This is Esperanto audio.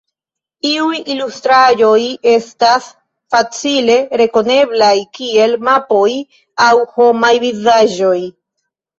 Iuj ilustraĵoj estas facile rekoneblaj, kiel mapoj aŭ homaj vizaĝoj.